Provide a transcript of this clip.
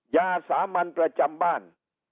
ยาสามัญประจำบ้าน